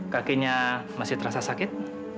kakinya masih terasa sakit